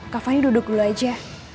kak fani duduk dulu aja